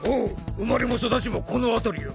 生まれも育ちもこの辺りよぉ。